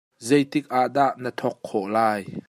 Zeitik ah dah na thok khawh lai?